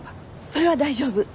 それは大丈夫。